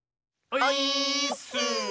オイーッス！